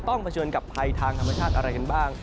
เผชิญกับภัยทางธรรมชาติอะไรกันบ้าง